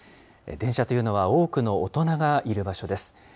電車というのは多くの大人がいる場所です。